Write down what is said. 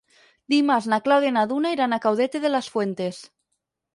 Dimarts na Clàudia i na Duna iran a Caudete de las Fuentes.